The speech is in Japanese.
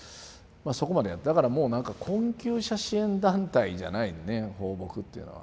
そこまでだからもうなんか困窮者支援団体じゃないのね抱樸っていうのは。